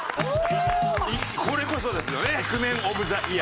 これこそですよね。